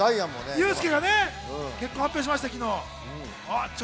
ユースケが結婚を発表しました。